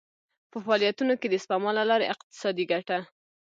په فعالیتونو کې د سپما له لارې اقتصادي ګټه.